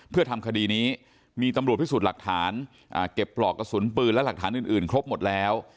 เพื่อทำคดีนี้มีตำรวจพิสูจน์หลักฐานเก็บปลอกกระสุนปืนและหลักฐานอื่นครบหมดแล้ว